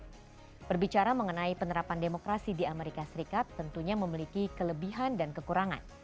berbicara mengenai penerapan demokrasi di amerika serikat tentunya memiliki kelebihan dan kekurangan